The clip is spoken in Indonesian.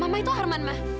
mama itu arman mak